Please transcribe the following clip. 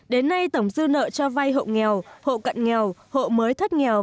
đến nay tổng dư nợ cho vay hộ nghèo hộ cận nghèo hộ mới thoát nghèo